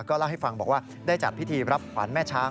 เล่าให้ฟังบอกว่าได้จัดพิธีรับขวัญแม่ช้าง